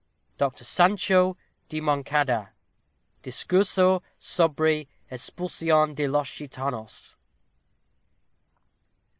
DOCTOR SANCHO DE MONCADA. _Discurso sobre Espulsion de los Gitanos.